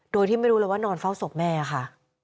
โดยที่ไม่รู้เลยว่านอนเฝ้าศพแม่ค่ะ